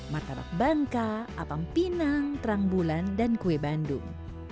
martabak bangka apam pinang terang bulan dan kue bandung